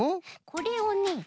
これをね